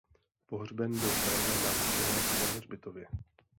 Pohřben byl v Praze na Vyšehradském hřbitově.